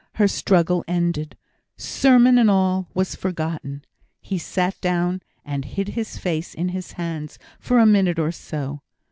her struggle ended! Sermon and all was forgotten. He sat down, and hid his face in his hands for a minute or so.